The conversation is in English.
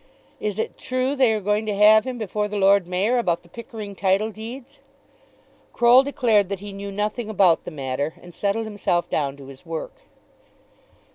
Is it true they are going to have him before the Lord Mayor about the Pickering title deeds?" Croll declared that he knew nothing about the matter, and settled himself down to his work.